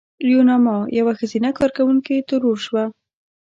یوناما یوه ښځینه کارکوونکې ترور شوه.